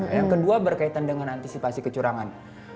yang kedua berkaitan dengan antisipasi kecurangan